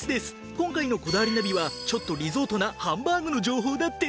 今回の『こだわりナビ』はちょっとリゾートなハンバーグの情報だって。